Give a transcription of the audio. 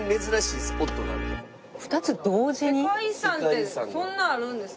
世界遺産ってそんなあるんですか？